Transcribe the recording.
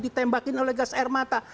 ditembakin oleh gas air mata